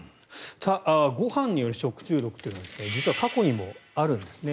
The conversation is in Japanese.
ご飯による食中毒というのは実は過去にもあるんですね。